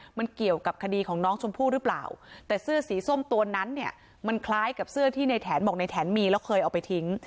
มันเกี่ยวกับคดีของน้องชมพู่หรือเปล่าแต่เสื้อสีส้มตัวนั้นเนี่ยมันคล้ายกับเสื้อที่ในแถนบอกในแถนมีแล้วเคยเอาไปทิ้ง